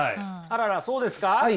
あららそうですか？